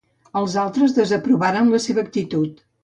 Els altres desaprovaren la seva actitud.